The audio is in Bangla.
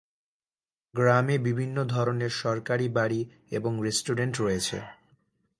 গ্রামে বিভিন্ন ধরনের সরকারি বাড়ি এবং রেস্টুরেন্ট রয়েছে।